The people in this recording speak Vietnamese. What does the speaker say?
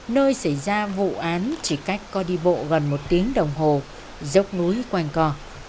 nơi xảy ra vụ án chỉ cách có đi bộ gần một tiếng đồng hồ dốc núi quanh co